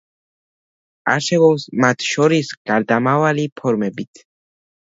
არსებობს მათ შორის გარდამავალი ფორმებიც.